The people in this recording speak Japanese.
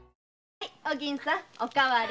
はいお銀さんお代わり。